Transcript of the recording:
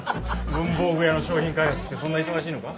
文房具屋の商品開発ってそんな忙しいのか？